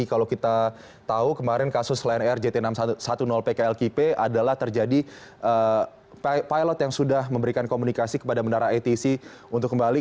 kalau kita tahu kemarin kasus lion air jt enam ratus sepuluh pklkp adalah terjadi pilot yang sudah memberikan komunikasi kepada menara atc untuk kembali